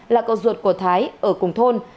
là cậu ruột của thái ở cùng thôn